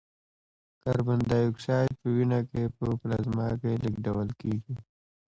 کاربن دای اکساید په وینه کې په پلازما کې لېږدول کېږي.